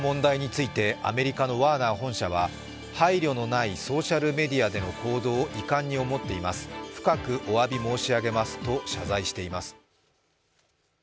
この問題について、アメリカのワーナー本社は配慮のないソーシャルメディアでの行動を遺憾に思っています、深くおわび申し上げますと謝罪しています。